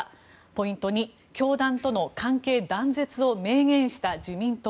ポイント２、教団との関係断絶を明言した自民党。